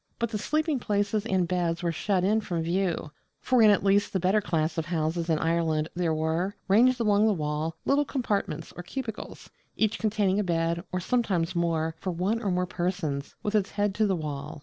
But the sleeping places and beds were shut in from view; for in at least the better class of houses in Ireland there were, ranged along the wall, little compartments or cubicles, each containing a bed, or sometimes more, for one or more persons, with its head to the wall.